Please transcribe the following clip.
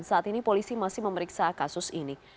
saat ini polisi masih memeriksa kasus ini